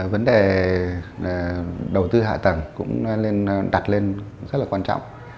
vấn đề đầu tư hạ tầng cũng đặt lên rất là quan trọng